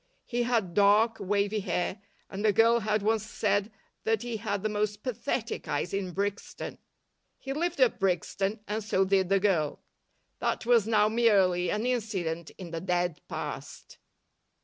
He had dark, wavy hair, and a girl had once said that he had the most pathetic eyes in Brixton. He lived at Brixton, and so did the girl. That was now merely an incident in the dead past.